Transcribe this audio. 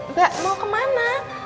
mbak mau kemana